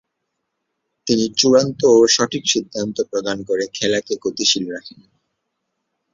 তিনি চূড়ান্ত ও সঠিক সিদ্ধান্ত প্রদান করে খেলাকে গতিশীল রাখেন।